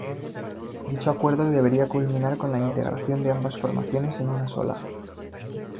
Dicho acuerdo debería culminar con la integración de ambas formaciones en una sola.